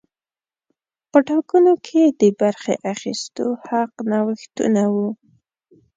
په ټاکنو کې د برخې اخیستو حق نوښتونه وو.